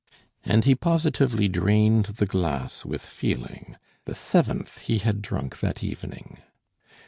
And he positively drained the glass with feeling, the seventh he had drunk that evening.